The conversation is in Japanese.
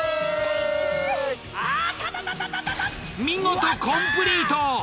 見事コンプリート！